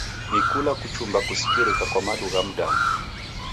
Ni kula kuchumba kusikirika kwa madu gha mdamu.